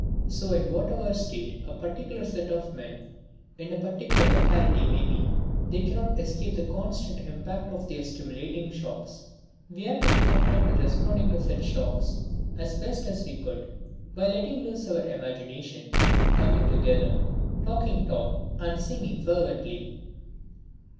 So in whatever state a particular set of men in a particular locality may be, they cannot escape the constant impact of these stimulating shocks. We had to be content with responding to such shocks, as best we could, by letting loose our imagination, coming together, talking tall and singing fervently.